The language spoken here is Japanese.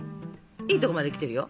いいとこまで来てるよ。